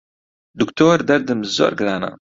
دوکتۆر دەردم زۆر گرانە